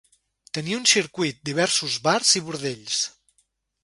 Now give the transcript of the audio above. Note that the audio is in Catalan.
Tenia un circuit, diversos bars i bordells.